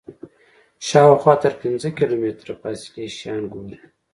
شاوخوا تر پنځه کیلومتره فاصلې شیان ګوري.